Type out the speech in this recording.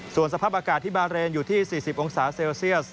ส่วนสภาพอากาศที่บาเรนอยู่ที่๔๐องศาเซลเซียส